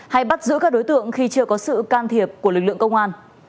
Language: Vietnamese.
hay bắt giữ các đối tượng khi chưa có sự can thiệp của lực lượng công an